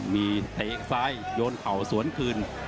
มีเตะซ้ายโยนเข่าสวนคืน